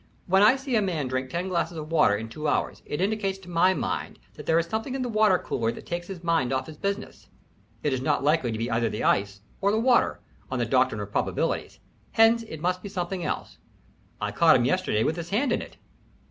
When I see a man drink ten glasses of water in two hours it indicates to my mind that there is something in the water cooler that takes his mind off his business. It is not likely to be either the ice or the water, on the doctrine of probabilities. Hence it must be something else. I caught him yesterday with his hand in it."